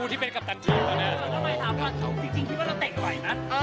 ที่นั่งขาวหน้านี่กระแดมอะไร